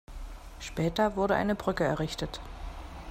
Später wurde eine Brücke errichtet.